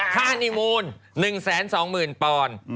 ค่านิมูล๑แสน๒หมื่นปอนค์